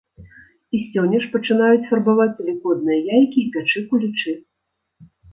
І сёння ж пачынаюць фарбаваць велікодныя яйкі і пячы кулічы.